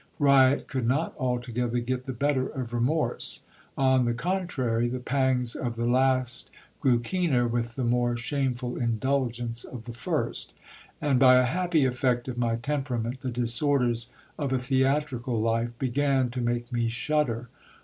Riot could not altogether get the better of remorse : on the contrary, the pangs of the last grew keener with the more shameful indulgence of the first ; and, by a happy effect of my temperament, the disorders of a theatrical life began to make me shudder.